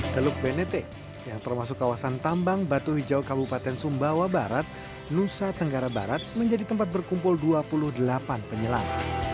teluk benete yang termasuk kawasan tambang batu hijau kabupaten sumbawa barat nusa tenggara barat menjadi tempat berkumpul dua puluh delapan penyelam